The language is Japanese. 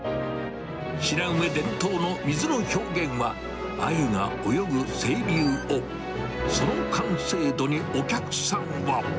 白梅伝統の水の表現は、あゆが泳ぐ清流を、その完成度にお客さんは。